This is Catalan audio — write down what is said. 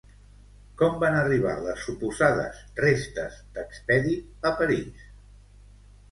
Com van arribar les suposades restes d'Expedit a París?